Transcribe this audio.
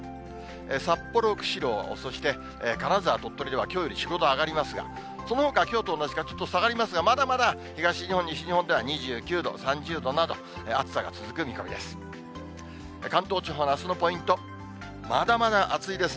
札幌、釧路、そして金沢、鳥取ではきょうより４、５度上がりますが、そのほかはきょうと同じか、ちょっと下がりますが、まだまだ東日本、西日本では２９度、３０度など、暑さが続く見込みです。